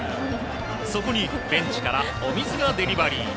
そこにベンチからお水がデリバリー。